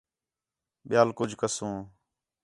ٻِیال کُج کسوں